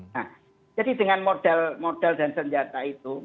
nah jadi dengan model model dan senjata itu